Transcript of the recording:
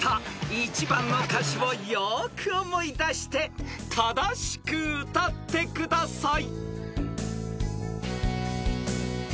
［１番の歌詞をよーく思い出して正しく歌ってください］